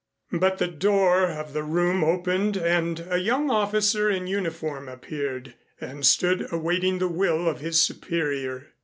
But the door of the room opened and a young officer in uniform appeared and stood awaiting the will of his superior.